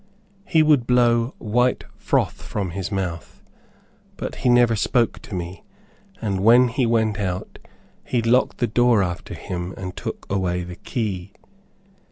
He would blow white froth from his mouth, but he never spoke to me, and when he went out, he locked the door after him and took away the key.